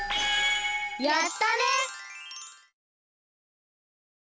やったね！